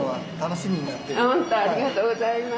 本当ありがとうございます。